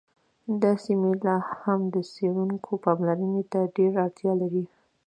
دا سیمه لا هم د څیړونکو پاملرنې ته ډېره اړتیا لري